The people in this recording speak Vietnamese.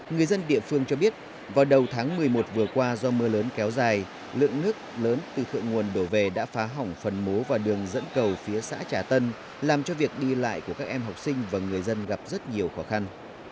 người dân địa phương cho biết vào đầu tháng một mươi một vừa qua do mưa lớn kéo dài lượng nước lớn từ thượng nguồn đổ về đã phá hỏng phần mố và đường dẫn cầu phía xã trà tân làm cho việc đi lại của các em học sinh và người dân gặp rất nhiều khó khăn